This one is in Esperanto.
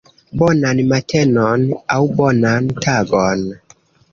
Bonan matenon, aŭ bonan tagon